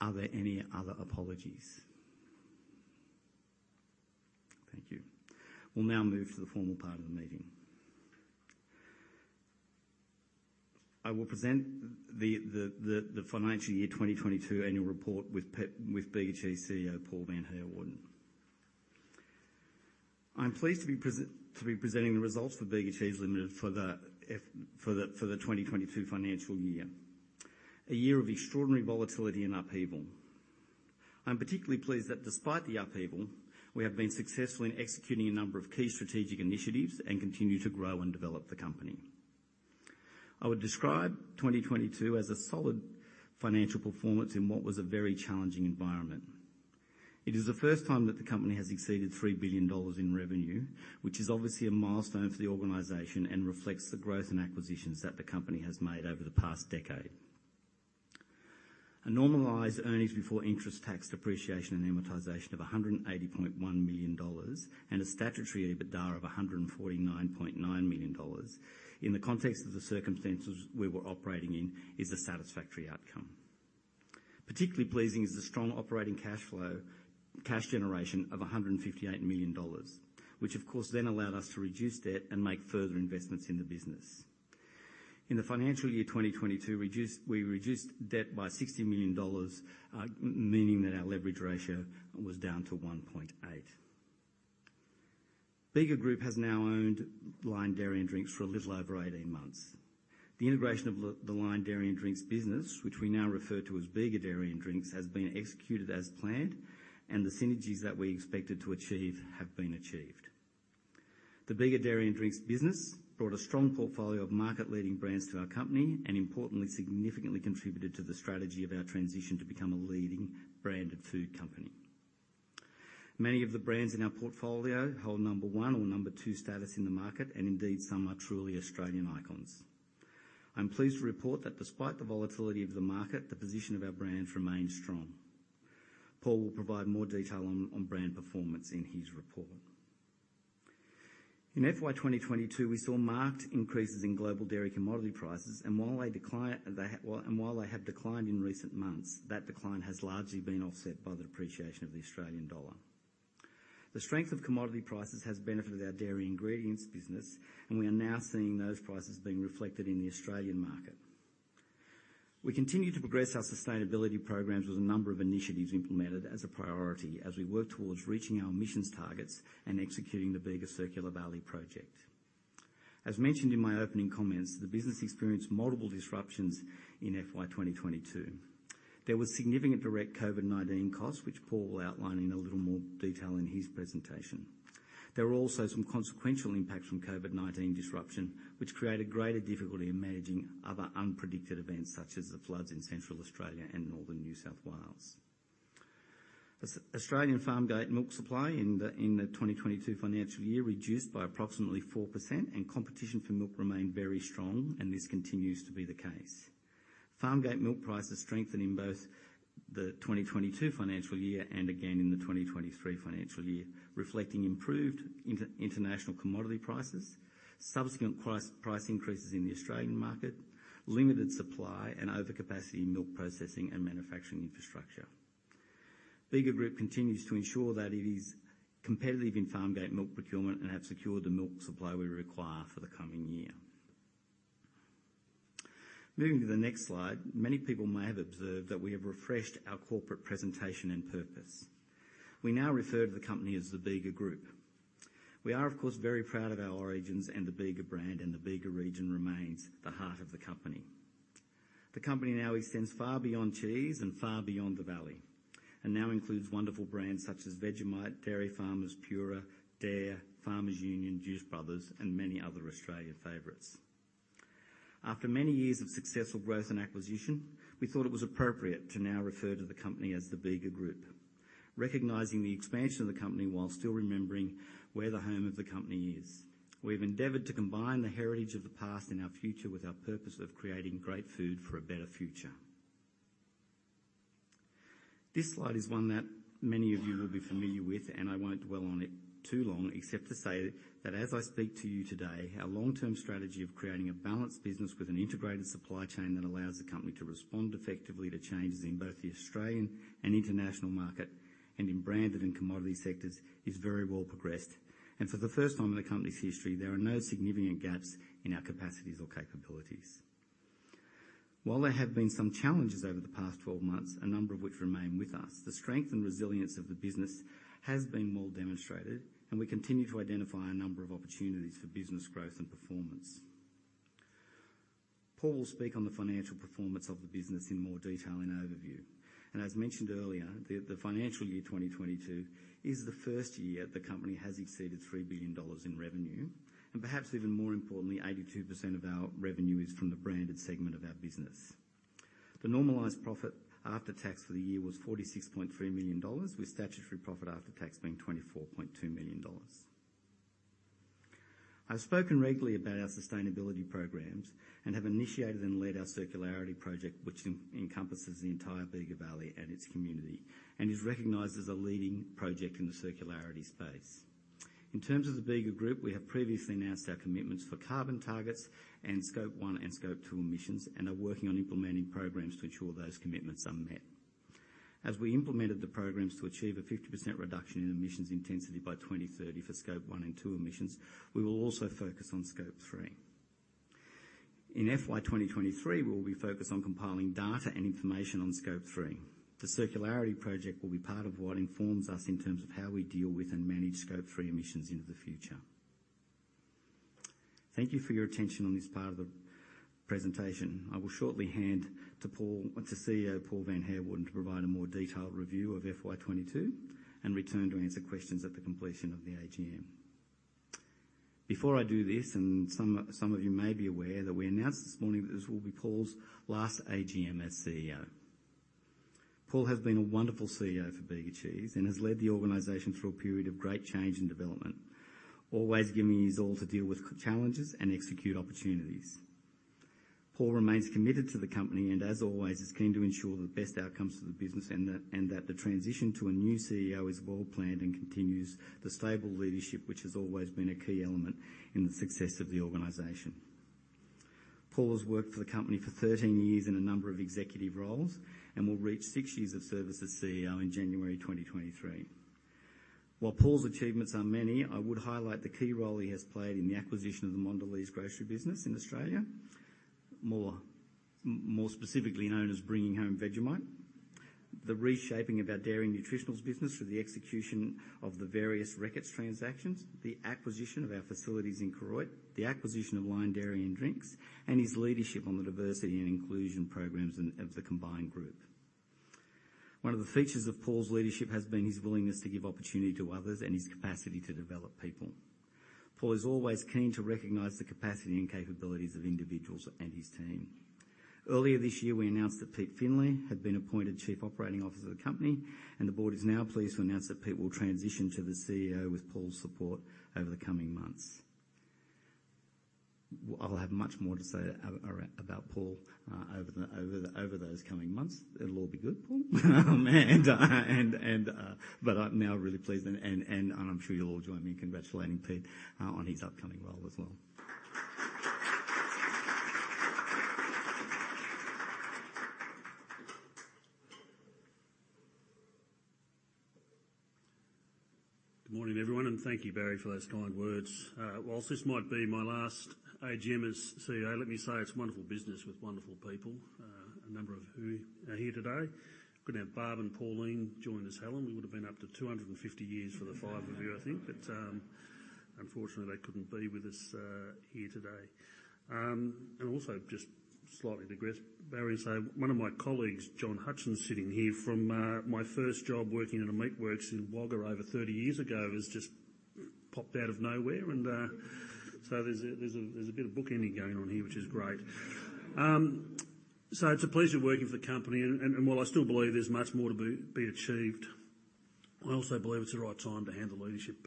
Thank you. We'll now move to the formal part of the meeting. I will present the financial year 2022 annual report with Bega Cheese CEO, Paul van Heerwaarden. I'm pleased to be presenting the results for Bega Cheese Limited for the 2022 financial year. A year of extraordinary volatility and upheaval. I'm particularly pleased that despite the upheaval, we have been successful in executing a number of key strategic initiatives and continue to grow and develop the company. I would describe 2022 as a solid financial performance in what was a very challenging environment. It is the first time that the company has exceeded 3 billion dollars in revenue, which is obviously a milestone for the organization and reflects the growth and acquisitions that the company has made over the past decade. A normalized earnings before interest, tax, depreciation and amortization of 180.1 million dollars and a statutory EBITDA of 149.9 million dollars in the context of the circumstances we were operating in, is a satisfactory outcome. Particularly pleasing is the strong operating cash flow, cash generation of 158 million dollars, which of course then allowed us to reduce debt and make further investments in the business. In the financial year 2022, we reduced debt by AUD 60 million, meaning that our leverage ratio was down to 1.8. Bega Group has now owned Lion Dairy & Drinks for a little over 18 months. The integration of the Lion Dairy & Drinks business, which we now refer to as Bega Dairy & Drinks, has been executed as planned, and the synergies that we expected to achieve have been achieved. The Bega Dairy & Drinks business brought a strong portfolio of market-leading brands to our company and importantly, significantly contributed to the strategy of our transition to become a leading branded food company. Many of the brands in our portfolio hold number one or number two status in the market, and indeed some are truly Australian icons. I'm pleased to report that despite the volatility of the market, the position of our brands remains strong. Paul will provide more detail on brand performance in his report. In FY 2022, we saw marked increases in global dairy commodity prices, and while they have declined in recent months, that decline has largely been offset by the depreciation of the Australian dollar. The strength of commodity prices has benefited our dairy ingredients business, and we are now seeing those prices being reflected in the Australian market. We continue to progress our sustainability programs with a number of initiatives implemented as a priority as we work towards reaching our emissions targets and executing the Bega Circular Valley project. As mentioned in my opening comments, the business experienced multiple disruptions in FY 2022. There was significant direct COVID-19 costs, which Paul will outline in a little more detail in his presentation. There were also some consequential impacts from COVID-19 disruption, which created greater difficulty in managing other unpredicted events such as the floods in Central Australia and Northern New South Wales. Australian farmgate milk supply in the 2022 financial year reduced by approximately 4% and competition for milk remained very strong, and this continues to be the case. Farmgate milk prices strengthened in both the 2022 financial year and again in the 2023 financial year, reflecting improved international commodity prices, subsequent price increases in the Australian market, limited supply, and overcapacity in milk processing and manufacturing infrastructure. Bega Group continues to ensure that it is competitive in farmgate milk procurement and have secured the milk supply we require for the coming year. Moving to the next slide, many people may have observed that we have refreshed our corporate presentation and purpose. We now refer to the company as the Bega Group. We are, of course, very proud of our origins and the Bega brand, and the Bega region remains the heart of the company. The company now extends far beyond cheese and far beyond the valley, and now includes wonderful brands such as Vegemite, Dairy Farmers, Pura, Dare, Farmers Union, The Juice Brothers, and many other Australian favorites. After many years of successful growth and acquisition, we thought it was appropriate to now refer to the company as the Bega Group, recognizing the expansion of the company while still remembering where the home of the company is. We've endeavored to combine the heritage of the past and our future with our purpose of creating great food for a better future. This slide is one that many of you will be familiar with, and I won't dwell on it too long except to say that as I speak to you today, our long-term strategy of creating a balanced business with an integrated supply chain that allows the company to respond effectively to changes in both the Australian and international market and in branded and commodity sectors is very well progressed. For the first time in the company's history, there are no significant gaps in our capacities or capabilities. While there have been some challenges over the past 12 months, a number of which remain with us, the strength and resilience of the business has been well demonstrated, and we continue to identify a number of opportunities for business growth and performance. Paul will speak on the financial performance of the business in more detail in overview. As mentioned earlier, the financial year 2022 is the first year the company has exceeded 3 billion dollars in revenue, and perhaps even more importantly, 82% of our revenue is from the branded segment of our business. The normalized profit after tax for the year was 46.3 million dollars, with statutory profit after tax being 24.2 million dollars. I've spoken regularly about our sustainability programs and have initiated and led our circularity project, which encompasses the entire Bega Valley and its community and is recognized as a leading project in the circularity space. In terms of the Bega Group, we have previously announced our commitments for carbon targets and Scope 1 and Scope 2 emissions, and are working on implementing programs to ensure those commitments are met. As we implemented the programs to achieve a 50% reduction in emissions intensity by 2030 for scope 1 and scope 2 emissions, we will also focus on scope 3. In FY 2023, we'll be focused on compiling data and information on scope 3. The circularity project will be part of what informs us in terms of how we deal with and manage Scope 3 emissions into the future. Thank you for your attention on this part of the presentation. I will shortly hand to Paul, to CEO Paul van Heerwaarden, to provide a more detailed review of FY 2022 and return to answer questions at the completion of the AGM. Before I do this, some of you may be aware that we announced this morning that this will be Paul's last AGM as CEO. Paul has been a wonderful CEO for Bega Cheese and has led the organization through a period of great change and development, always giving his all to deal with challenges and execute opportunities. Paul remains committed to the company and as always is keen to ensure the best outcomes for the business and that the transition to a new CEO is well planned and continues the stable leadership which has always been a key element in the success of the organization. Paul has worked for the company for 13 years in a number of executive roles and will reach 6 years of service as CEO in January 2023. While Paul's achievements are many, I would highlight the key role he has played in the acquisition of the Mondelēz grocery business in Australia, more specifically known as bringing home Vegemite, the reshaping of our dairy nutritionals business through the execution of the various Reckitt transactions, the acquisition of our facilities in Koroit, the acquisition of Lion Dairy and Drinks, and his leadership on the diversity and inclusion programs of the combined group. One of the features of Paul's leadership has been his willingness to give opportunity to others and his capacity to develop people. Paul is always keen to recognize the capacity and capabilities of individuals and his team. Earlier this year, we announced that Pete Findlay had been appointed Chief Operating Officer of the company, and the board is now pleased to announce that Pete will transition to the CEO with Paul's support over the coming months. Well, I'll have much more to say about Paul over those coming months. It'll all be good, Paul. I'm now really pleased, and I'm sure you'll all join me in congratulating Pete on his upcoming role as well. Good morning, everyone, and thank you, Barry, for those kind words. While this might be my last AGM as CEO, let me say it's a wonderful business with wonderful people, a number of who are here today. Could have Barb and Pauline join us, Helen, we would have been up to 250 years for the five of you, I think. Unfortunately, they couldn't be with us here today. Just slightly to digress, Barry, so one of my colleagues, John Hutchins, sitting here from my first job working in a meat works in Wagga over 30 years ago, has just popped out of nowhere. There's a bit of bookending going on here, which is great. It's a pleasure working for the company and while I still believe there's much more to be achieved, I also believe it's the right time to hand the leadership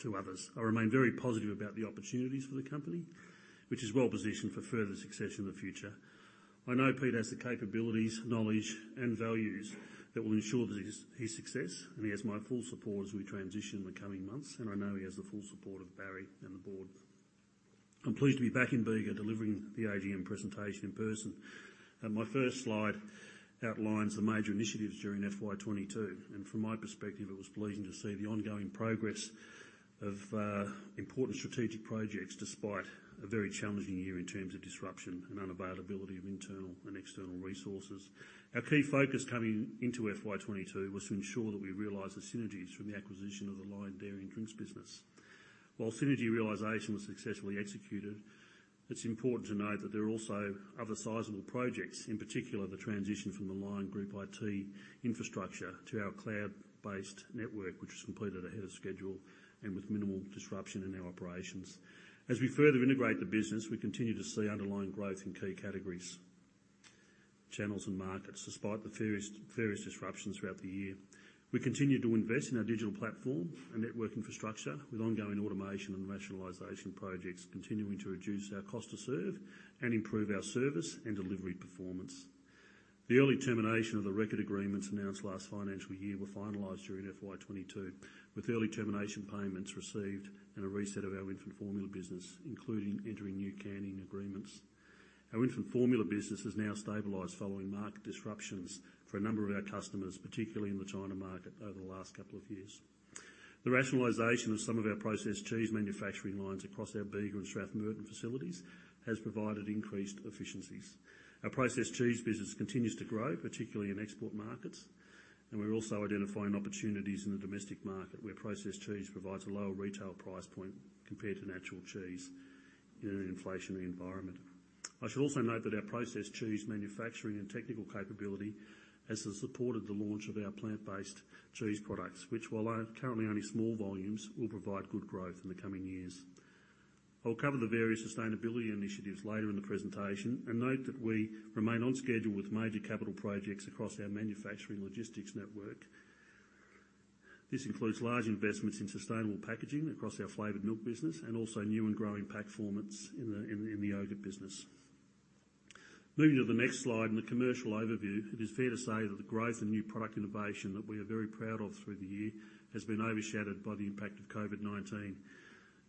to others. I remain very positive about the opportunities for the company, which is well-positioned for further success in the future. I know Pete has the capabilities, knowledge, and values that will ensure this, his success, and he has my full support as we transition in the coming months, and I know he has the full support of Barry and the board. I'm pleased to be back in Bega delivering the AGM presentation in person. My first slide outlines the major initiatives during FY 2022. From my perspective, it was pleasing to see the ongoing progress of important strategic projects despite a very challenging year in terms of disruption and unavailability of internal and external resources. Our key focus coming into FY 2022 was to ensure that we realize the synergies from the acquisition of the Lion Dairy & Drinks business. While synergy realization was successfully executed, it's important to note that there are also other sizable projects, in particular, the transition from the Lion Group IT infrastructure to our cloud-based network, which was completed ahead of schedule and with minimal disruption in our operations. As we further integrate the business, we continue to see underlying growth in key categories, channels, and markets, despite the various disruptions throughout the year. We continue to invest in our digital platform and network infrastructure with ongoing automation and rationalization projects, continuing to reduce our cost to serve and improve our service and delivery performance. The early termination of the Reckitt agreements announced last financial year were finalized during FY 2022, with early termination payments received and a reset of our infant formula business, including entering new canning agreements. Our infant formula business has now stabilized following market disruptions for a number of our customers, particularly in the China market over the last couple of years. The rationalization of some of our processed cheese manufacturing lines across our Bega and Strathmerton facilities has provided increased efficiencies. Our processed cheese business continues to grow, particularly in export markets, and we're also identifying opportunities in the domestic market where processed cheese provides a lower retail price point compared to natural cheese in an inflationary environment. I should also note that our processed cheese manufacturing and technical capability has supported the launch of our plant-based cheese products, which while are currently only small volumes, will provide good growth in the coming years. I'll cover the various sustainability initiatives later in the presentation and note that we remain on schedule with major capital projects across our manufacturing logistics network. This includes large investments in sustainable packaging across our flavored milk business and also new and growing pack formats in the yogurt business. Moving to the next slide and the commercial overview, it is fair to say that the growth and new product innovation that we are very proud of through the year has been overshadowed by the impact of COVID-19,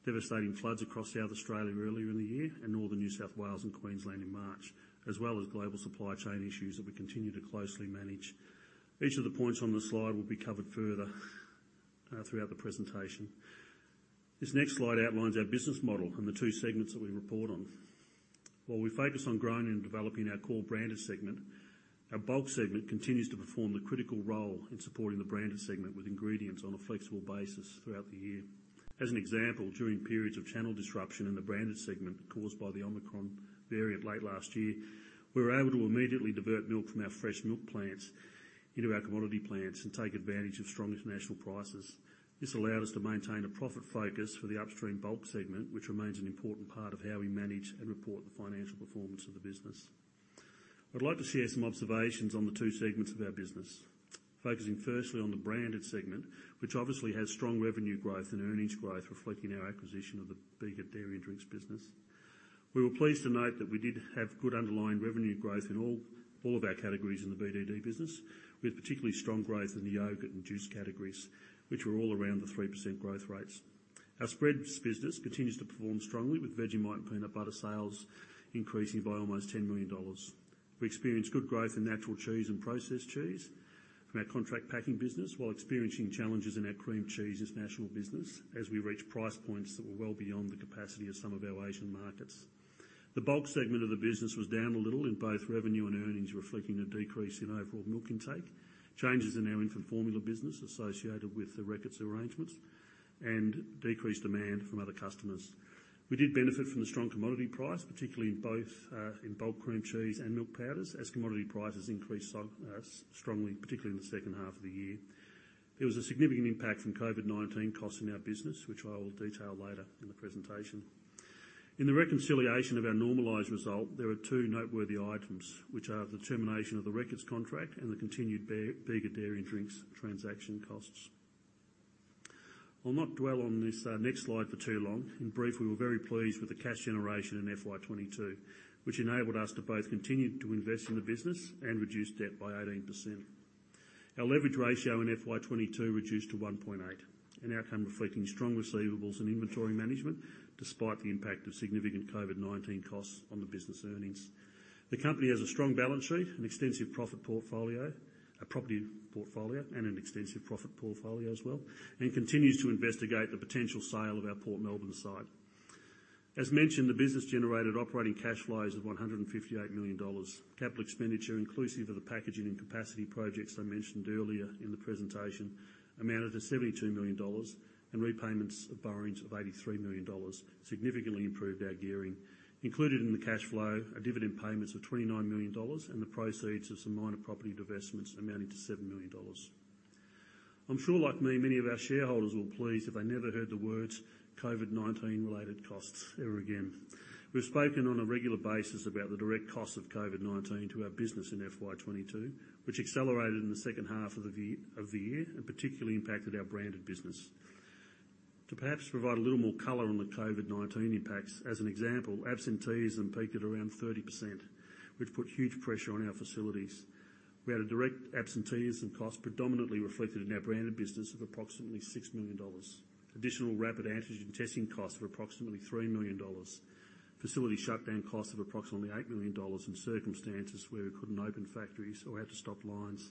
devastating floods across South Australia earlier in the year, and Northern New South Wales and Queensland in March, as well as global supply chain issues that we continue to closely manage. Each of the points on the slide will be covered further throughout the presentation. This next slide outlines our business model and the two segments that we report on. While we focus on growing and developing our core branded segment, our bulk segment continues to perform the critical role in supporting the branded segment with ingredients on a flexible basis throughout the year. As an example, during periods of channel disruption in the branded segment caused by the Omicron variant late last year, we were able to immediately divert milk from our fresh milk plants into our commodity plants and take advantage of strong international prices. This allowed us to maintain a profit focus for the upstream bulk segment, which remains an important part of how we manage and report the financial performance of the business. I'd like to share some observations on the two segments of our business. Focusing firstly on the branded segment, which obviously has strong revenue growth and earnings growth reflecting our acquisition of the Bega Dairy & Drinks business. We were pleased to note that we did have good underlying revenue growth in all of our categories in the BDD business, with particularly strong growth in the yogurt and juice categories, which were all around the 3% growth rates. Our spreads business continues to perform strongly, with Vegemite and peanut butter sales increasing by almost 10 million dollars. We experienced good growth in natural cheese and processed cheese from our contract packing business while experiencing challenges in our cream cheese's nutrionals business as we reach price points that were well beyond the capacity of some of our Asian markets. The bulk segment of the business was down a little in both revenue and earnings, reflecting a decrease in overall milk intake, changes in our infant formula business associated with the Reckitt arrangements, and decreased demand from other customers. We did benefit from the strong commodity price, particularly in bulk cream cheese and milk powders, as commodity prices increased so strongly, particularly in the second half of the year. There was a significant impact from COVID-19 costs in our business, which I will detail later in the presentation. In the reconciliation of our normalized result, there are two noteworthy items, which are the termination of the Reckitt contract and the continued Bega Dairy & Drinks transaction costs. I'll not dwell on this next slide for too long. In brief, we were very pleased with the cash generation in FY 2022, which enabled us to both continue to invest in the business and reduce debt by 18%. Our leverage ratio in FY 2022 reduced to 1.8, an outcome reflecting strong receivables and inventory management despite the impact of significant COVID-19 costs on the business earnings. The company has a strong balance sheet and extensive property portfolio, a property portfolio, and an extensive property portfolio as well, and continues to investigate the potential sale of our Port Melbourne site. As mentioned, the business generated operating cash flows of 158 million dollars. Capital expenditure, inclusive of the packaging and capacity projects I mentioned earlier in the presentation, amounted to 72 million dollars, and repayments of borrowings of 83 million dollars significantly improved our gearing. Included in the cash flow are dividend payments of 29 million dollars and the proceeds of some minor property divestments amounting to 7 million dollars. I'm sure like me, many of our shareholders were pleased if they never heard the words COVID-19 related costs ever again. We've spoken on a regular basis about the direct costs of COVID-19 to our business in FY 2022, which accelerated in the second half of the year, and particularly impacted our branded business. To perhaps provide a little more color on the COVID-19 impacts, as an example, absenteeism peaked at around 30%, which put huge pressure on our facilities. We had a direct absenteeism cost predominantly reflected in our branded business of approximately AUD 6 million. Additional rapid antigen testing costs of approximately AUD 3 million. Facility shutdown costs of approximately AUD 8 million in circumstances where we couldn't open factories or had to stop lines.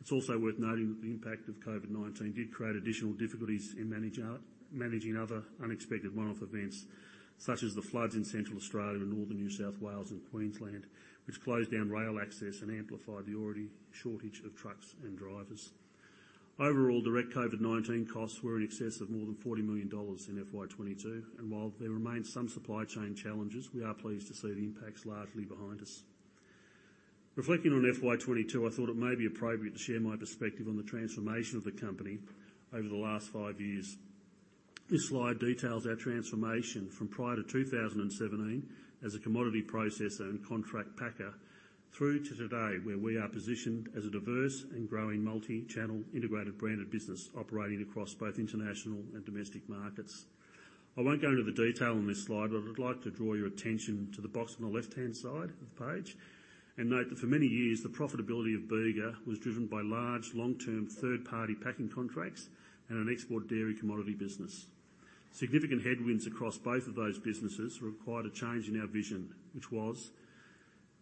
It's also worth noting that the impact of COVID-19 did create additional difficulties in managing other unexpected one-off events, such as the floods in Central Australia, Northern New South Wales and Queensland, which closed down rail access and amplified the already shortage of trucks and drivers. Overall, direct COVID-19 costs were in excess of more than AUD 40 million in FY 2022, and while there remains some supply chain challenges, we are pleased to see the impacts largely behind us. Reflecting on FY 2022, I thought it may be appropriate to share my perspective on the transformation of the company over the last five years. This slide details our transformation from prior to 2017 as a commodity processor and contract packer through to today, where we are positioned as a diverse and growing multi-channel integrated branded business operating across both international and domestic markets. I won't go into the detail on this slide, but I'd like to draw your attention to the box on the left-hand side of the page and note that for many years, the profitability of Bega was driven by large, long-term third-party packing contracts and an export dairy commodity business. Significant headwinds across both of those businesses required a change in our vision, which was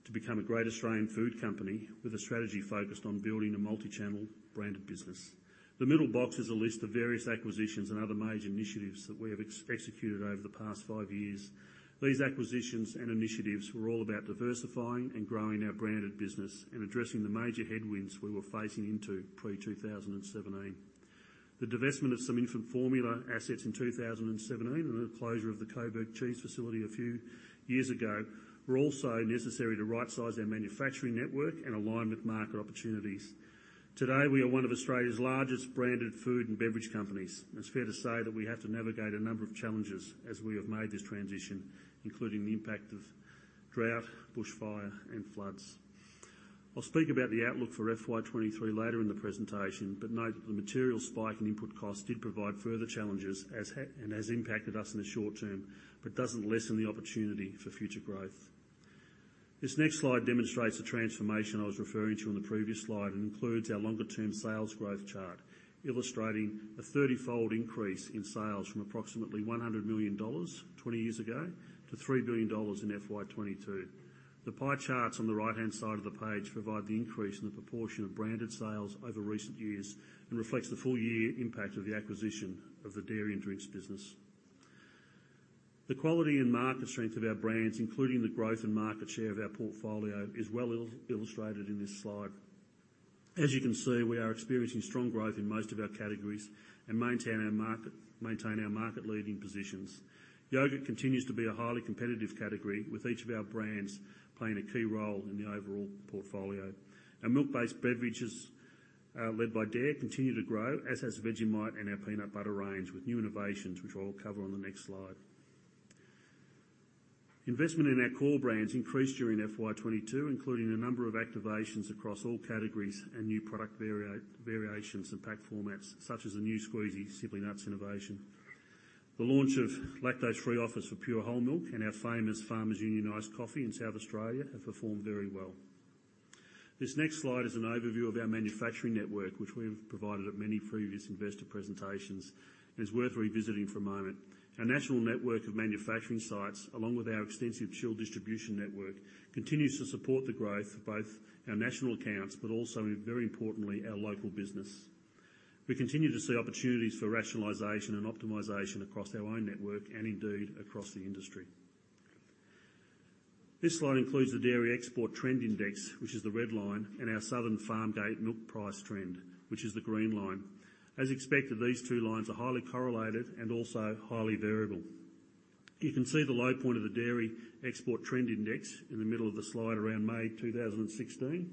to become a great Australian food company with a strategy focused on building a multi-channel branded business. The middle box is a list of various acquisitions and other major initiatives that we have executed over the past five years. These acquisitions and initiatives were all about diversifying and growing our branded business and addressing the major headwinds we were facing into pre-2017. The divestment of some infant formula assets in 2017, and the closure of the Coburg cheese facility a few years ago, were also necessary to rightsize our manufacturing network and align with market opportunities. Today, we are one of Australia's largest branded food and beverage companies, and it's fair to say that we have to navigate a number of challenges as we have made this transition, including the impact of drought, bushfire, and floods. I'll speak about the outlook for FY 2023 later in the presentation, but note that the material spike in input costs did provide further challenges as it has impacted us in the short term, but doesn't lessen the opportunity for future growth. This next slide demonstrates the transformation I was referring to on the previous slide and includes our longer-term sales growth chart, illustrating a 30-fold increase in sales from approximately 100 million dollars 20 years ago to 3 billion dollars in FY 2022. The pie charts on the right-hand side of the page provide the increase in the proportion of branded sales over recent years and reflects the full year impact of the acquisition of the dairy and drinks business. The quality and market strength of our brands, including the growth and market share of our portfolio, is well illustrated in this slide. As you can see, we are experiencing strong growth in most of our categories and maintain our market-leading positions. Yoghurt continues to be a highly competitive category, with each of our brands playing a key role in the overall portfolio. Our milk-based beverages, led by Dare, continue to grow, as has Vegemite and our peanut butter range, with new innovations, which I'll cover on the next slide. Investment in our core brands increased during FY 2022, including a number of activations across all categories and new product variations and pack formats such as the new squeezy Simply Nuts innovation. The launch of lactose-free offers for Pura whole milk and our famous Farmers Union Iced Coffee in South Australia have performed very well. This next slide is an overview of our manufacturing network, which we've provided at many previous investor presentations and is worth revisiting for a moment. Our national network of manufacturing sites, along with our extensive chilled distribution network, continues to support the growth of both our national accounts, but also, and very importantly, our local business. We continue to see opportunities for rationalization and optimization across our own network and indeed across the industry. This slide includes the Dairy Export Trend Index, which is the red line, and our Southern Farm Gate Milk Price Trend, which is the green line. As expected, these two lines are highly correlated and also highly variable. You can see the low point of the Dairy Export Trend Index in the middle of the slide around May 2016.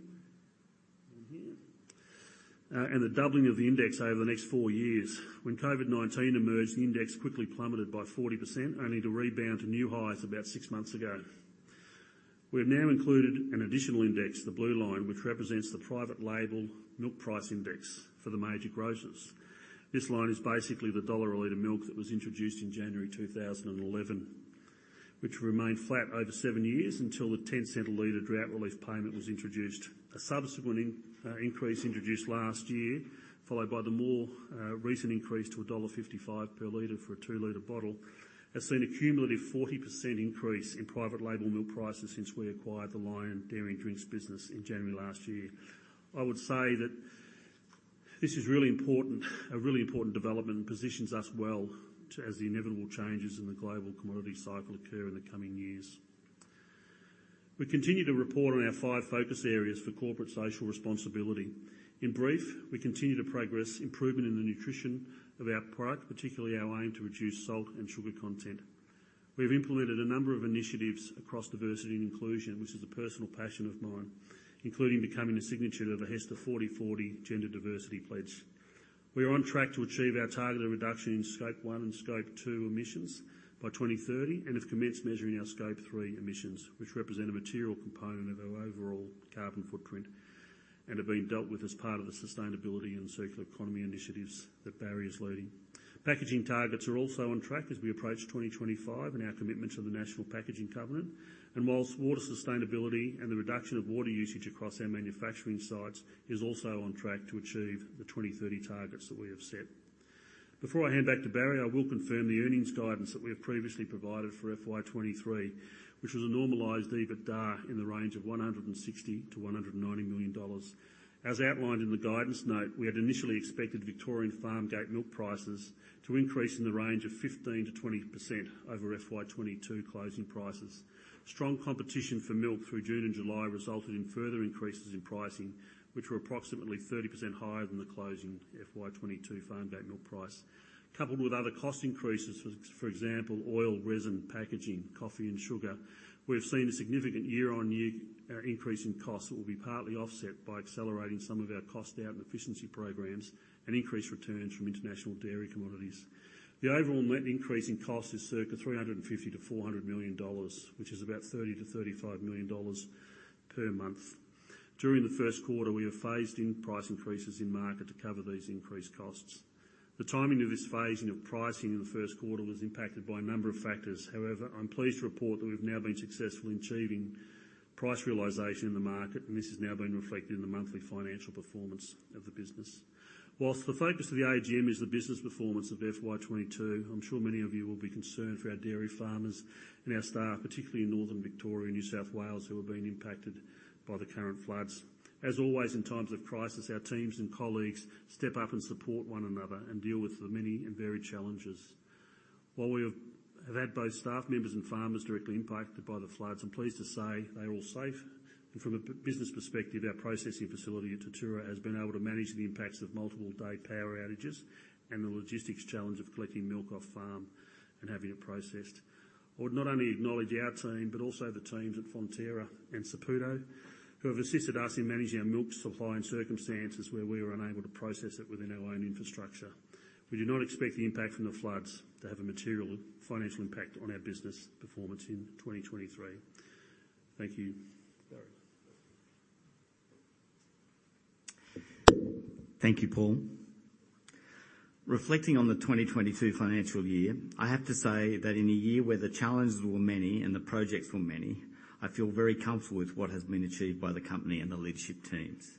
The doubling of the index over the next four years. When COVID-19 emerged, the index quickly plummeted by 40%, only to rebound to new highs about six months ago. We've now included an additional index, the blue line, which represents the Private Label Milk Price Index for the major grocers. This line is basically the AUD 1 per liter milk that was introduced in January 2011, which remained flat over seven years until the 0.10 per liter drought relief payment was introduced. A subsequent increase introduced last year, followed by the more recent increase to dollar 1.55 per liter for a 2- liter bottle, has seen a cumulative 40% increase in private label milk prices since we acquired the Lion Dairy & Drinks business in January last year. I would say that this is really important, a really important development and positions us well to, as the inevitable changes in the global commodity cycle occur in the coming years. We continue to report on our five focus areas for corporate social responsibility. In brief, we continue to progress improvement in the nutrition of our product, particularly our aim to reduce salt and sugar content. We've implemented a number of initiatives across diversity and inclusion, which is a personal passion of mine, including becoming a signatory of a HESTA 40:40 gender diversity pledge. We are on track to achieve our targeted reduction in scope 1 and scope 2 emissions by 2030 and have commenced measuring our scope 3 emissions, which represent a material component of our overall carbon footprint and are being dealt with as part of the sustainability and circular economy initiatives that Barry is leading. Packaging targets are also on track as we approach 2025 and our commitment to the Australian Packaging Covenant. While water sustainability and the reduction of water usage across our manufacturing sites is also on track to achieve the 2030 targets that we have set. Before I hand back to Barry, I will confirm the earnings guidance that we have previously provided for FY 2023, which was a normalized EBITDA in the range of 160 million-190 million dollars. As outlined in the guidance note, we had initially expected Victorian farm gate milk prices to increase in the range of 15%-20% over FY 2022 closing prices. Strong competition for milk through June and July resulted in further increases in pricing, which were approximately 30% higher than the closing FY 2022 farm gate milk price. Coupled with other cost increases, for example, oil, resin, packaging, coffee and sugar, we've seen a significant year-on-year increase in cost that will be partly offset by accelerating some of our cost out and efficiency programs and increased returns from international dairy commodities. The overall net increase in cost is circa 350 million-400 million dollars, which is about 30 million-35 million dollars per month. During the first quarter, we have phased in price increases in market to cover these increased costs. The timing of this phasing of pricing in the first quarter was impacted by a number of factors. However, I'm pleased to report that we've now been successful in achieving price realization in the market, and this has now been reflected in the monthly financial performance of the business. While the focus of the AGM is the business performance of FY 2022, I'm sure many of you will be concerned for our dairy farmers and our staff, particularly in Northern Victoria and New South Wales, who have been impacted by the current floods. As always, in times of crisis, our teams and colleagues step up and support one another and deal with the many and varied challenges. While we have had both staff members and farmers directly impacted by the floods, I'm pleased to say they are all safe. From a business perspective, our processing facility at Tatura has been able to manage the impacts of multiple day power outages and the logistics challenge of collecting milk off farm and having it processed. I would not only acknowledge our team, but also the teams at Fonterra and Saputo, who have assisted us in managing our milk supply in circumstances where we were unable to process it within our own infrastructure. We do not expect the impact from the floods to have a material financial impact on our business performance in 2023. Thank you. Barry. Thank you, Paul. Reflecting on the 2022 financial year, I have to say that in a year where the challenges were many and the projects were many, I feel very comfortable with what has been achieved by the company and the leadership teams.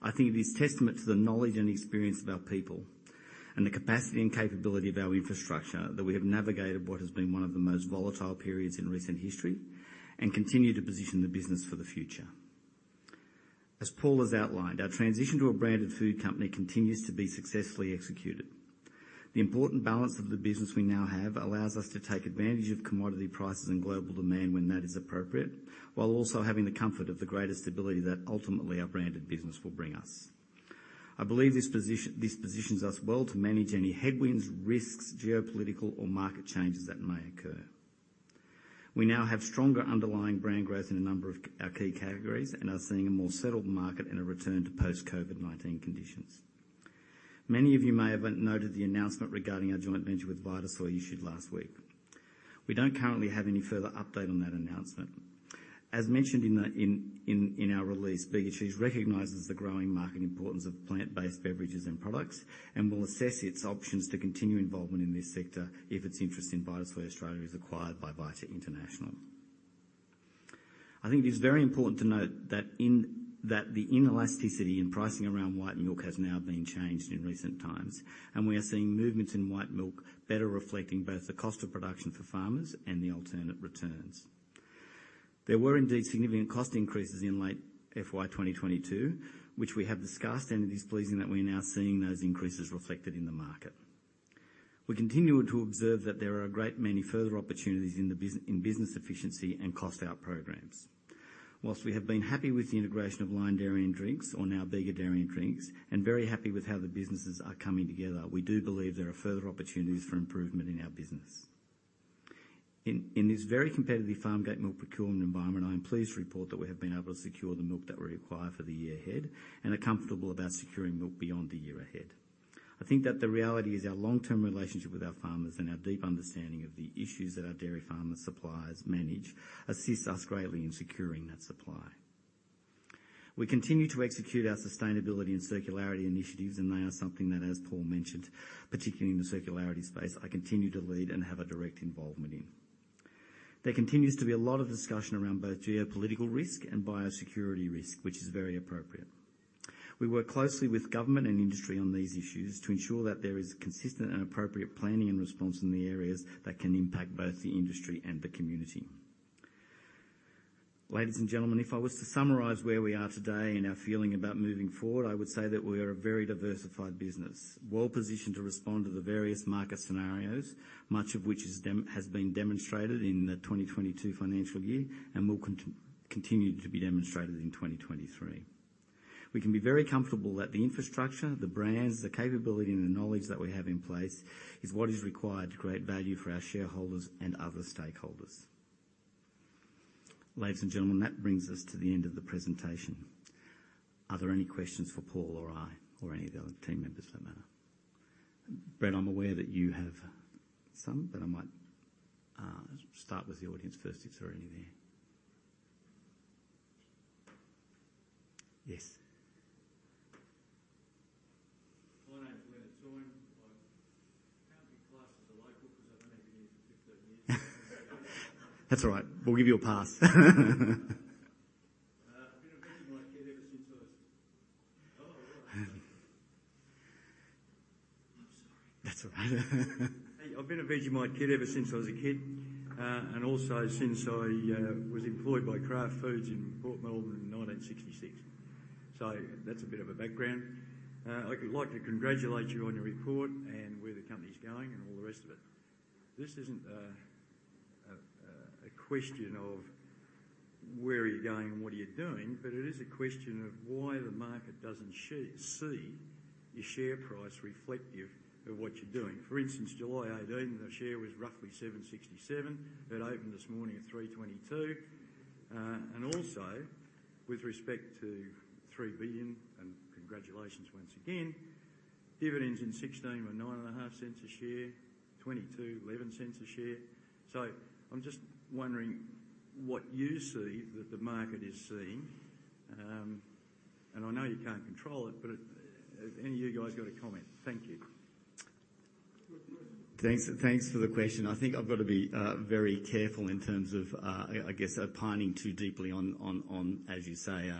I think it is testament to the knowledge and experience of our people and the capacity and capability of our infrastructure that we have navigated what has been one of the most volatile periods in recent history and continue to position the business for the future. As Paul has outlined, our transition to a branded food company continues to be successfully executed. The important balance of the business we now have allows us to take advantage of commodity prices and global demand when that is appropriate, while also having the comfort of the greater stability that ultimately our branded business will bring us. I believe this positions us well to manage any headwinds, risks, geopolitical or market changes that may occur. We now have stronger underlying brand growth in a number of our key categories and are seeing a more settled market and a return to post-COVID-19 conditions. Many of you may have noted the announcement regarding our joint venture with Vitasoy issued last week. We don't currently have any further update on that announcement. As mentioned in our release, Bega Cheese recognizes the growing market importance of plant-based beverages and products and will assess its options to continue involvement in this sector if its interest in Vitasoy Australia is acquired by Vitasoy International. I think it is very important to note that the inelasticity in pricing around white milk has now been changed in recent times, and we are seeing movements in white milk better reflecting both the cost of production for farmers and the alternate returns. There were indeed significant cost increases in late FY 2022, which we have discussed, and it is pleasing that we are now seeing those increases reflected in the market. We continue to observe that there are a great many further opportunities in the business efficiency and cost out programs. Whilst we have been happy with the integration of Lion Dairy & Drinks, or now Bega Dairy & Drinks, and very happy with how the businesses are coming together, we do believe there are further opportunities for improvement in our business. In this very competitive farm gate milk procurement environment, I am pleased to report that we have been able to secure the milk that we require for the year ahead and are comfortable about securing milk beyond the year ahead. I think that the reality is our long-term relationship with our farmers and our deep understanding of the issues that our dairy farmer suppliers manage assists us greatly in securing that supply. We continue to execute our sustainability and circularity initiatives, and they are something that, as Paul mentioned, particularly in the circularity space, I continue to lead and have a direct involvement in. There continues to be a lot of discussion around both geopolitical risk and biosecurity risk, which is very appropriate. We work closely with government and industry on these issues to ensure that there is consistent and appropriate planning and response in the areas that can impact both the industry and the community. Ladies and gentlemen, if I was to summarize where we are today and our feeling about moving forward, I would say that we are a very diversified business, well-positioned to respond to the various market scenarios, much of which has been demonstrated in the 2022 financial year and will continue to be demonstrated in 2023. We can be very comfortable that the infrastructure, the brands, the capability, and the knowledge that we have in place is what is required to create value for our shareholders and other stakeholders. Ladies and gentlemen, that brings us to the end of the presentation. Are there any questions for Paul or I or any of the other team members for that matter? Brett, I'm aware that you have some, but I might start with the audience first if there are any there. Yes. My name's Leonard Soyim. I can't be classed as a local 'cause I've only been here for 15 years. That's all right. We'll give you a pass. I've been a Vegemite kid ever since I was. Oh, right. That's all right. I've been a Vegemite kid ever since I was a kid, and also since I was employed by Kraft Foods in Port Melbourne in 1966. That's a bit of a background. I would like to congratulate you on your report and where the company's going and all the rest of it. This isn't a question of where are you going and what are you doing, but it is a question of why the market doesn't see your share price reflective of what you're doing. For instance, July 18, the share was roughly 7.67. It opened this morning at 3.22. With respect to 3 billion, and congratulations once again, dividends in 2016 were 9.5 cents a share, 2022, 11 cents a share. I'm just wondering what you see that the market is seeing. I know you can't control it, but have any of you guys got a comment? Thank you. Thanks for the question. I think I've got to be very careful in terms of, I guess, diving too deeply on, as you say,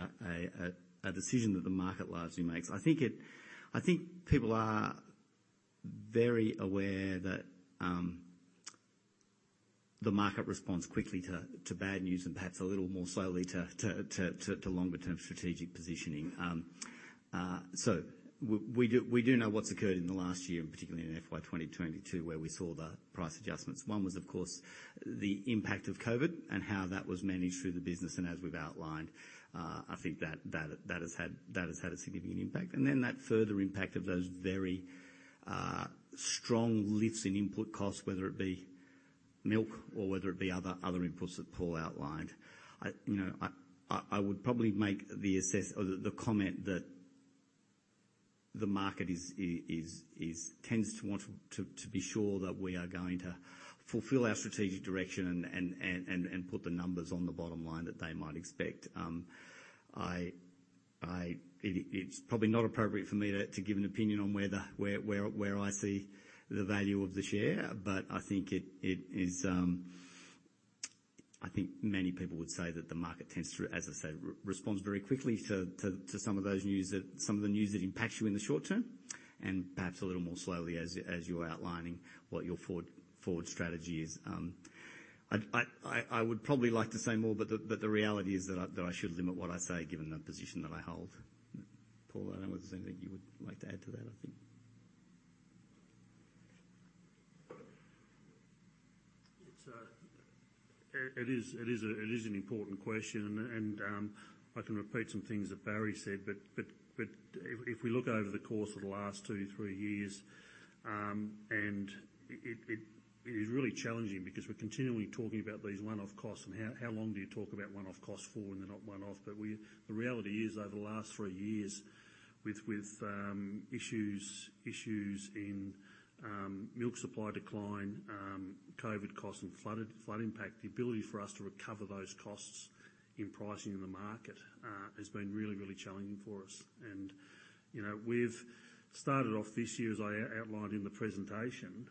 a decision that the market largely makes. I think people are very aware that the market responds quickly to bad news and perhaps a little more slowly to longer-term strategic positioning. We do know what's occurred in the last year, and particularly in FY 2022, where we saw the price adjustments. One was, of course, the impact of COVID and how that was managed through the business. As we've outlined, I think that has had a significant impact. That further impact of those very strong lifts in input costs, whether it be milk or whether it be other inputs that Paul outlined. I would probably make the comment that the market tends to want to be sure that we are going to fulfill our strategic direction and put the numbers on the bottom line that they might expect. It's probably not appropriate for me to give an opinion on where I see the value of the share, but I think it is. I think many people would say that the market tends to, as I said, respond very quickly to some of the news that impacts you in the short term and perhaps a little more slowly as you're outlining what your forward strategy is. I'd probably like to say more, but the reality is that I should limit what I say given the position that I hold. Paul, I don't know whether there's anything you would like to add to that, I think. It is an important question and I can repeat some things that Barry said. If we look over the course of the last two, three years, it is really challenging because we're continually talking about these one-off costs and how long do you talk about one-off costs for and they're not one-off. The reality is over the last three years with issues in milk supply decline, COVID costs and flood impact, the ability for us to recover those costs in pricing in the market has been really challenging for us. You know, we've started off this year, as I outlined in the presentation,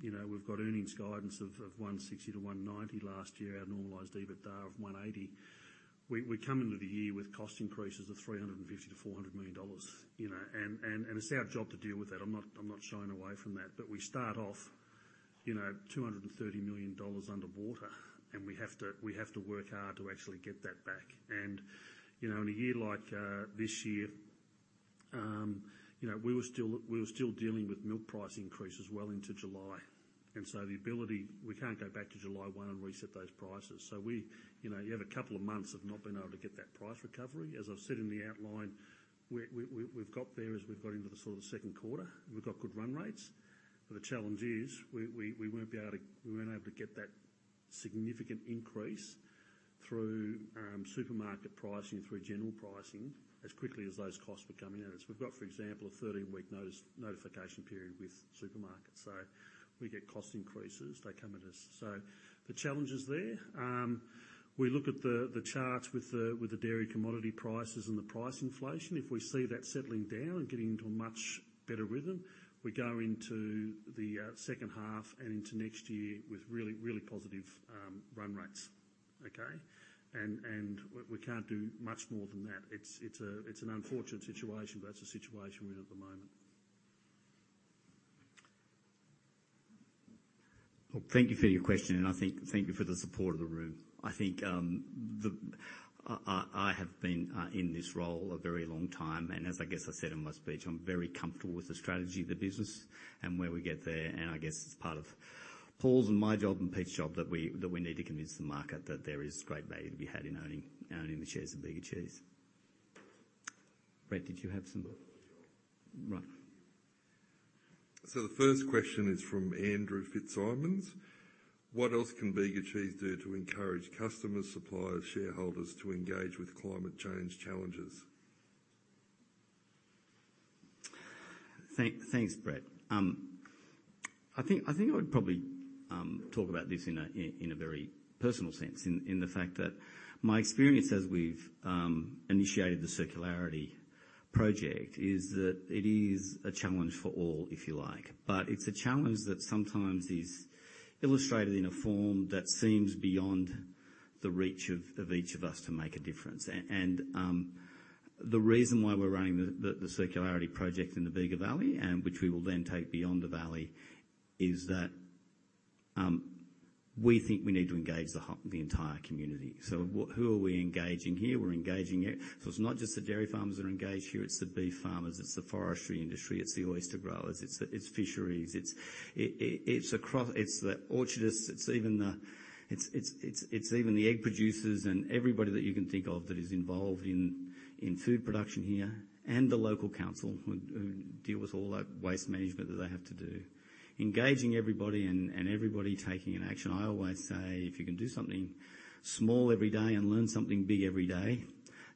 you know, we've got earnings guidance of 160 million to 190 million last year, our normalized EBITDA of 180 million. We come into the year with cost increases of 350 million to 400 million dollars, you know, and it's our job to deal with that. I'm not shying away from that. We start off, you know, 230 million dollars underwater, and we have to work hard to actually get that back. You know, in a year like this year, you know, we were still dealing with milk price increases well into July. The ability, we can't go back to July 1 and reset those prices. We, you know, you have a couple of months of not being able to get that price recovery. As I've said in the outline, we've got there as we've got into the sort of the second quarter. We've got good run rates. The challenge is we weren't able to get that significant increase through supermarket pricing, through general pricing as quickly as those costs were coming at us. We've got, for example, a 13-week notice, notification period with supermarkets. We get cost increases, they come at us. The challenge is there. We look at the charts with the dairy commodity prices and the price inflation. If we see that settling down and getting into a much better rhythm, we go into the second half and into next year with really, really positive run rates. Okay. We can't do much more than that. It's an unfortunate situation, but it's the situation we're in at the moment. Well, thank you for your question, and I think thank you for the support of the room. I think I have been in this role a very long time, and as I guess I said in my speech, I'm very comfortable with the strategy of the business and where we get there. I guess it's part of Paul's and my job and Pete's job that we need to convince the market that there is great value to be had in owning the shares of Bega Cheese. Brett, did you have some? Right The first question is from Andrew Fitzsimons. What else can Bega Cheese do to encourage customers, suppliers, shareholders to engage with climate change challenges? Thanks, Brett. I think I would probably talk about this in a very personal sense in the fact that my experience as we've initiated the circularity project is that it is a challenge for all, if you like. It's a challenge that sometimes is illustrated in a form that seems beyond the reach of each of us to make a difference. The reason why we're running the circularity project in the Bega Valley, and which we will then take beyond the valley, is that we think we need to engage the entire community. What? Who are we engaging here? We're engaging here. It's not just the dairy farmers that are engaged here, it's the beef farmers, it's the forestry industry, it's the oyster growers, it's fisheries, it's the orchardists, it's even the egg producers and everybody that you can think of that is involved in food production here, and the local council who deal with all that waste management that they have to do. Engaging everybody and everybody taking an action. I always say, "If you can do something small every day and learn something big every day,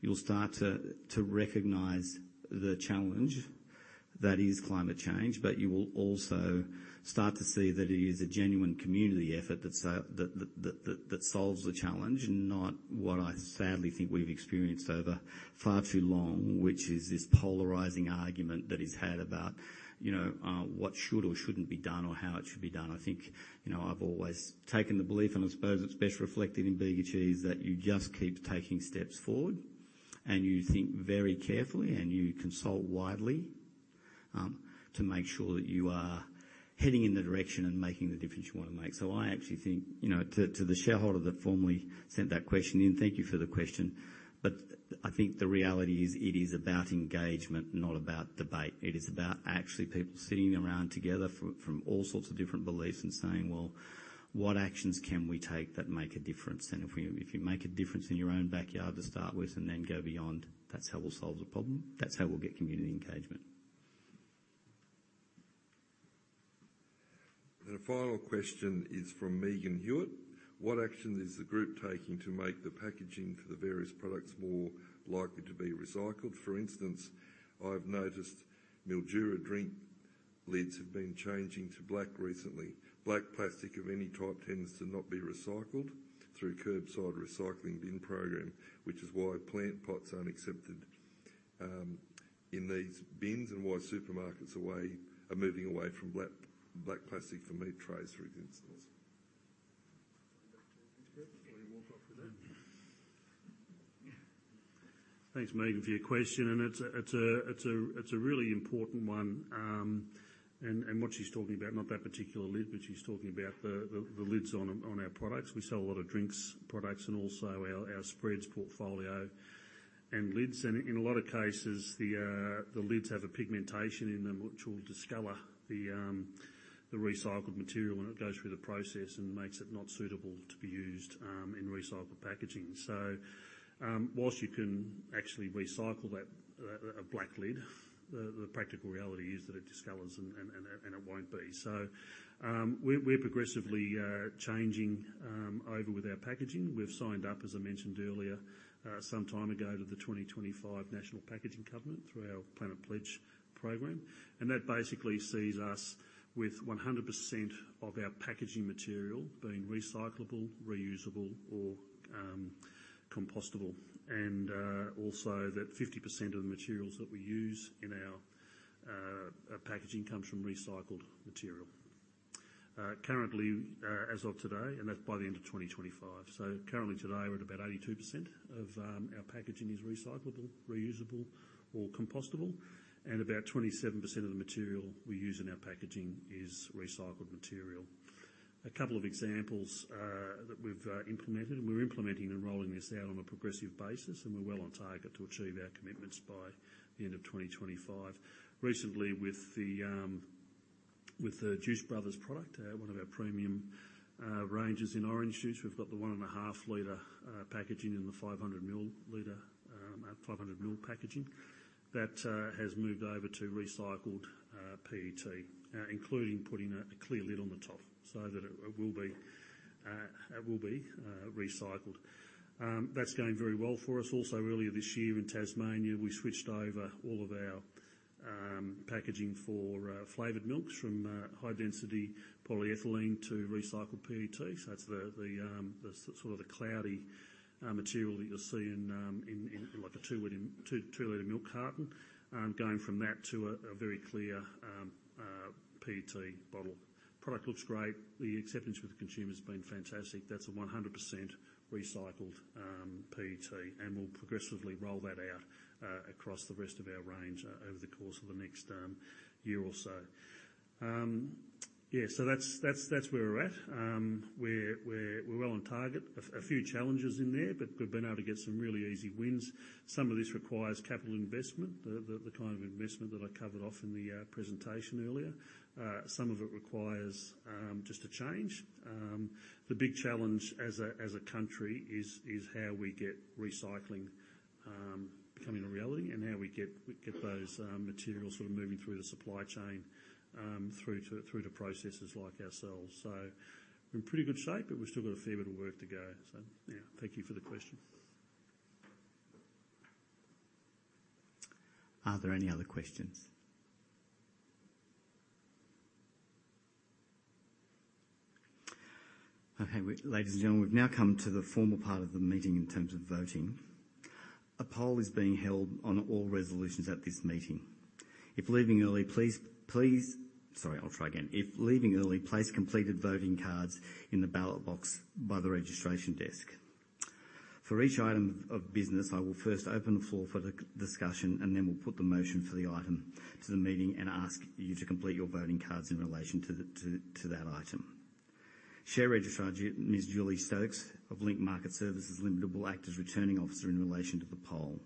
you'll start to recognize the challenge that is climate change, but you will also start to see that it is a genuine community effort that solves the challenge," and not what I sadly think we've experienced over far too long, which is this polarizing argument that is had about, you know, what should or shouldn't be done or how it should be done. I think, you know, I've always taken the belief, and I suppose it's best reflected in Bega Cheese, that you just keep taking steps forward, and you think very carefully, and you consult widely, to make sure that you are heading in the direction and making the difference you wanna make. I actually think, you know, to the shareholder that formally sent that question in, thank you for the question, but I think the reality is it is about engagement, not about debate. It is about actually people sitting around together from all sorts of different beliefs and saying, "Well, what actions can we take that make a difference?" If we, if you make a difference in your own backyard to start with and then go beyond, that's how we'll solve the problem. That's how we'll get community engagement. A final question is from Megan Hewitt. What action is the group taking to make the packaging for the various products more likely to be recycled? For instance, I've noticed Mildura drink lids have been changing to black recently. Black plastic of any type tends to not be recycled through curbside recycling bin program, which is why plant pots aren't accepted in these bins and why supermarkets are moving away from black plastic for meat trays, for instance. Thanks, Megan, for your question, and it's a really important one. What she's talking about, not that particular lid, but she's talking about the lids on our products. We sell a lot of drinks products and also our spreads portfolio and lids. In a lot of cases, the lids have a pigmentation in them which will discolor the recycled material, and it goes through the process and makes it not suitable to be used in recycled packaging. While you can actually recycle a black lid, the practical reality is that it discolors and it won't be. We're progressively changing over with our packaging. We've signed up, as I mentioned earlier, some time ago to the 2025 Australian Packaging Covenant through our Planet Pledge program, and that basically sees us with 100% of our packaging material being recyclable, reusable, or compostable. Also that 50% of the materials that we use in our packaging comes from recycled material. Currently, as of today, and that's by the end of 2025. Currently today, we're at about 82% of our packaging is recyclable, reusable, or compostable, and about 27% of the material we use in our packaging is recycled material. A couple of examples that we've implemented, and we're implementing and rolling this out on a progressive basis, and we're well on target to achieve our commitments by the end of 2025. Recently, with the Juice Brothers product, one of our premium ranges in orange juice, we've got the 1.5-liter packaging and the 500 ml packaging that has moved over to recycled PET, including putting a clear lid on the top so that it will be recycled. That's going very well for us. Also earlier this year in Tasmania, we switched over all of our packaging for flavored milks from high-density polyethylene to recycled PET. That's the sort of cloudy material that you'll see in like a 2-liter milk carton, going from that to a very clear PET bottle. Product looks great. The acceptance with the consumer's been fantastic. That's 100% recycled PET, and we'll progressively roll that out across the rest of our range over the course of the next year or so. Yeah, that's where we're at. We're well on target. A few challenges in there, but we've been able to get some really easy wins. Some of this requires capital investment, the kind of investment that I covered off in the presentation earlier. Some of it requires just a change. The big challenge as a country is how we get recycling becoming a reality and how we get those materials sort of moving through the supply chain through to processors like ourselves. We're in pretty good shape, but we've still got a fair bit of work to go. Yeah, thank you for the question. Are there any other questions? Okay, ladies and gentlemen, we've now come to the formal part of the meeting in terms of voting. A poll is being held on all resolutions at this meeting. If leaving early, please. Sorry, I'll try again. If leaving early, place completed voting cards in the ballot box by the registration desk. For each item of business, I will first open the floor for the discussion, and then we'll put the motion for the item to the meeting and ask you to complete your voting cards in relation to that item. Share registrar Ms. Julie Stokes of Link Market Services Limited will act as Returning Officer in relation to the poll.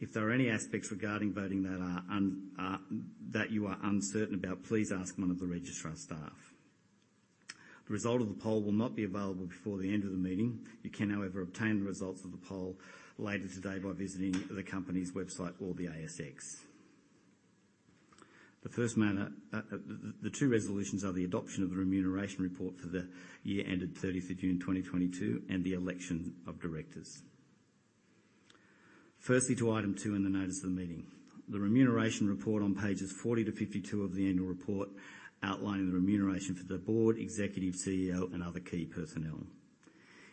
If there are any aspects regarding voting that you are uncertain about, please ask one of the registrar staff. The result of the poll will not be available before the end of the meeting. You can, however, obtain the results of the poll later today by visiting the company's website or via ASX. The first matter, the two resolutions are the adoption of the remuneration report for the year ended 30 June 2022, and the election of directors. Firstly, to item two in the notice of the meeting. The remuneration report on pages 40-52 of the annual report outline the remuneration for the board, executive CEO, and other key personnel.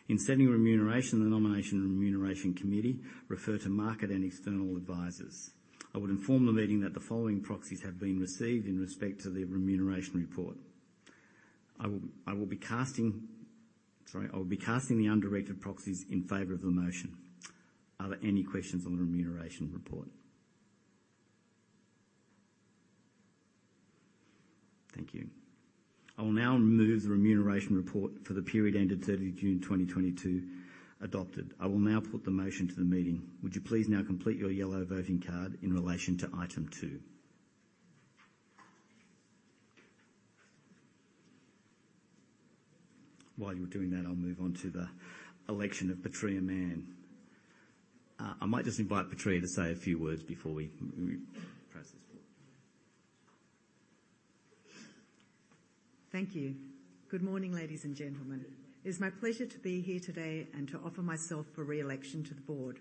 In setting remuneration, the Nomination and Remuneration Committee refer to market and external advisors. I would inform the meeting that the following proxies have been received in respect to the remuneration report. I will be casting the undirected proxies in favor of the motion. Are there any questions on the remuneration report? Thank you. I will now remove the remuneration report for the period ended 30 June 2022 adopted. I will now put the motion to the meeting. Would you please now complete your yellow voting card in relation to item two. While you're doing that, I'll move on to the election of Patria Mann. I might just invite Patria to say a few words before we press this forward. Thank you. Good morning, ladies and gentlemen. It is my pleasure to be here today and to offer myself for re-election to the board.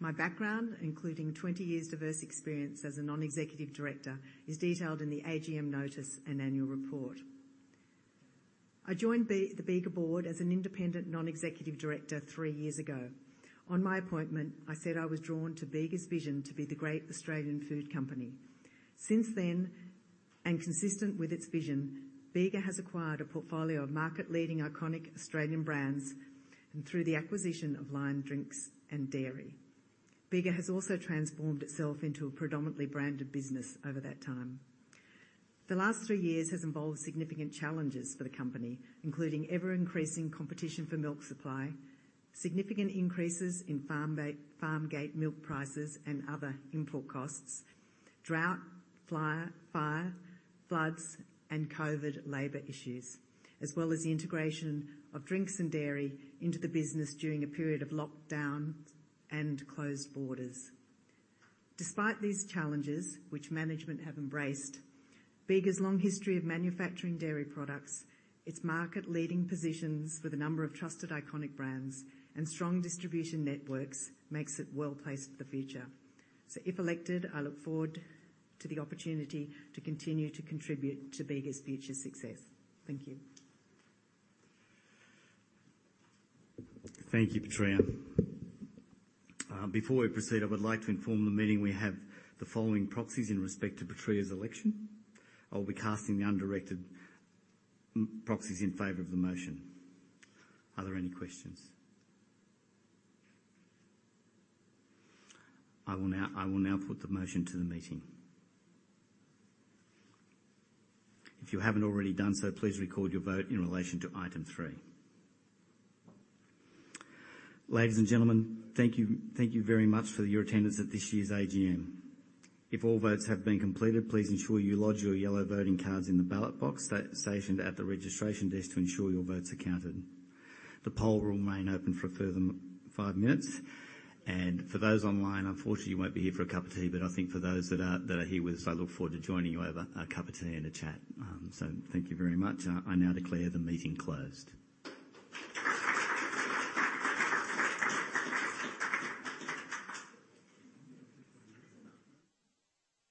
My background, including 20 years diverse experience as a non-executive director, is detailed in the AGM notice and annual report. I joined the Bega Board as an independent non-executive director three years ago. On my appointment, I said I was drawn to Bega's vision to be the great Australian food company. Since then, and consistent with its vision, Bega has acquired a portfolio of market-leading iconic Australian brands and through the acquisition of Lion Dairy & Drinks. Bega has also transformed itself into a predominantly branded business over that time. The last three years has involved significant challenges for the company, including ever-increasing competition for milk supply, significant increases in farm gate milk prices and other input costs, drought, fire, floods, and COVID labor issues, as well as the integration of drinks and dairy into the business during a period of lockdown and closed borders. Despite these challenges, which management have embraced, Bega's long history of manufacturing dairy products, its market-leading positions with a number of trusted, iconic brands, and strong distribution networks makes it well-placed for the future. If elected, I look forward to the opportunity to continue to contribute to Bega's future success. Thank you. Thank you, Patria. Before we proceed, I would like to inform the meeting we have the following proxies in respect to Patria's election. I will be casting the undirected proxies in favor of the motion. Are there any questions? I will now put the motion to the meeting. If you haven't already done so, please record your vote in relation to item three. Ladies and gentlemen, thank you very much for your attendance at this year's AGM. If all votes have been completed, please ensure you lodge your yellow voting cards in the ballot box stationed at the registration desk to ensure your votes are counted. The poll will remain open for a further five minutes. For those online, unfortunately, you won't be here for a cup of tea, but I think for those that are here with us, I look forward to joining you over a cup of tea and a chat. Thank you very much. I now declare the meeting closed.